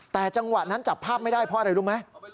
แต่จังหวะนั้นจับภาพไม่ได้เพราะอะไรรู้ไหม